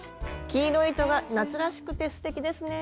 黄色い糸が夏らしくてすてきですね。